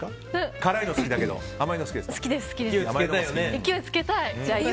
辛いの好きだけど好きです、好きです。